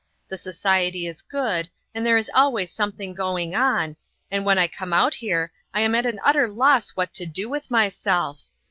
The society is good, and there is always something going on, and when I come out here I am at an utter loss what to do with myself.